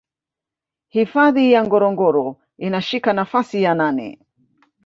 Hifadhi ya Ngorongoro inashika nafasi ya nane